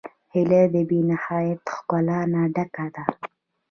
هیلۍ له بېنهایت ښکلا نه ډکه ده